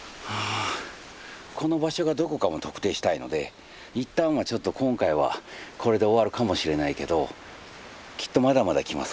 この場所がどこかも特定したいのでいったんはちょっと今回はこれで終わるかもしれないけどきっとまだまだ来ます